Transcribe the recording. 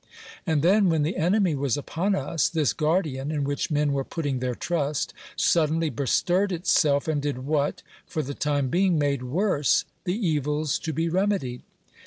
And then, when the enemy was upon us, this guardian, in which men were putting their trust, suddenly bestirred itself, and did what, for the time being, made worse the evils to be remedied.